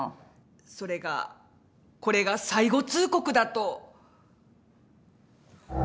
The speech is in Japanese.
それがこれが最後通告だと。